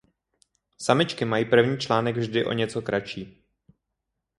Samičky mají první článek vždy o něco kratší.